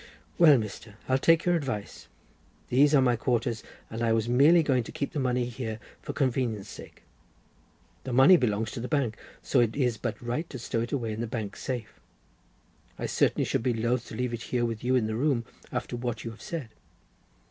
"Well, Mr., I'll take your advice. These are my quarters, and I was merely going to keep the money here for convenience' sake. The money belongs to the bank, so it is but right to stow it away in the bank safe. I certainly should be loth to leave it here with you in the room, after what you have said."